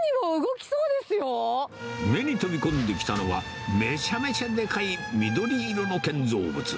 目に飛び込んできたのは、めちゃめちゃでかい、緑色の建造物。